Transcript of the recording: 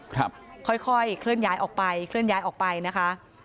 ค่อยค่อยเคลื่อนย้ายออกไปเคลื่อนย้ายออกไปนะคะ